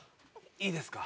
いいですか？